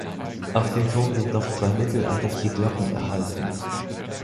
Auf dem Turm sind noch zwei mittelalterliche Glocken erhalten.